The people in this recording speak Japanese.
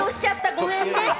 ごめんね。